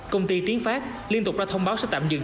công ty tiến pháp liên tục đã thông báo sẽ tạm dừng